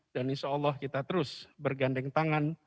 dan insyaallah kita terus bergandeng tangan